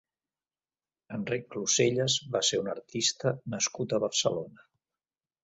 Enric Cluselles va ser un artista nascut a Barcelona.